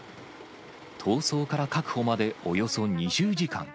逃走から確保までおよそ２０時間。